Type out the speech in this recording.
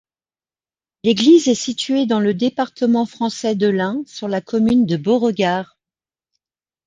L'église est située dans le département français de l'Ain, sur la commune de Beauregard.